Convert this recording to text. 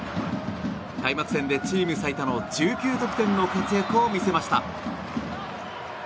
開幕戦でチーム最多の１９得点の活躍を見せました。